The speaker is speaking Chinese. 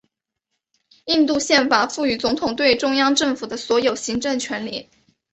印度宪法赋予总统对中央政府的所有行政权力。